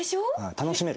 楽しめる。